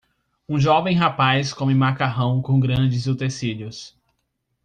Um jovem rapaz come macarrão com grandes utensílios.